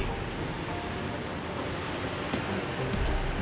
tapi gua bakal terus awasin dia